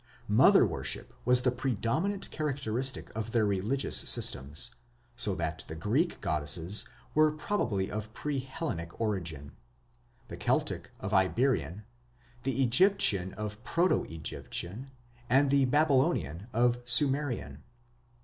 Mother worship was the predominant characteristic of their religious systems, so that the Greek goddesses were probably of pre Hellenic origin, the Celtic of Iberian, the Egyptian of proto Egyptian, and the Babylonian of Sumerian.